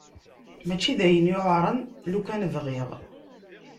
Mačči d ayen yuɛren lukan bɣiɣ.